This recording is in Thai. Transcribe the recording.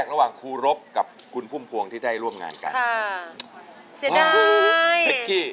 คำครูสามีให้กณฑัยภรรยาหน่อยสิ